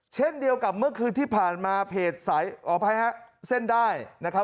เช่นเดียวกับเมื่อคืนที่ผ่านมาเพจไส้ออกไปเส้นด้ายนะครับ